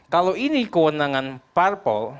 kalau ini kewenangan parpol